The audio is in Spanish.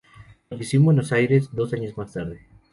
Falleció en Buenos Aires dos años más tarde.